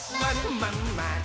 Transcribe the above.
まんまる。